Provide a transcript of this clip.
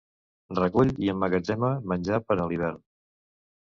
Recull i emmagatzema menjar per a l'hivern.